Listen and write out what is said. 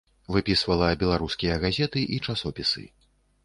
Выпісвала беларускія газеты і часопісы.